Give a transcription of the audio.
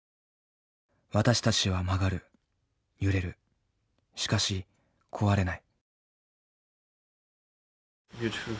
私たちは曲がる揺れるしかし壊れない。